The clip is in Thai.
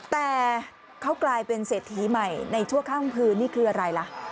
แต่เขากลายเป็นเศรษฐีใหม่ในชั่วข้ามคืนนี่คืออะไรล่ะ